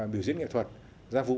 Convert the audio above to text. biểu diễn nghệ thuật ra vụ